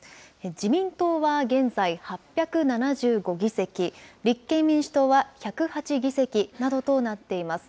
自民党は現在８７５議席、立憲民主党は１０８議席などとなっています。